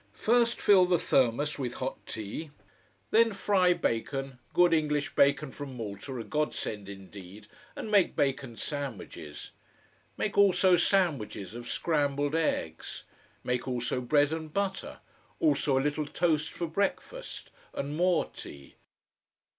First fill the thermos with hot tea. Then fry bacon good English bacon from Malta, a god send, indeed and make bacon sandwiches. Make also sandwiches of scrambled eggs. Make also bread and butter. Also a little toast for breakfast and more tea.